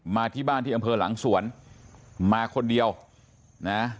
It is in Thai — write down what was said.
มาที่บ้านที่อำเภอหลังสวนมาคนเดียวนะ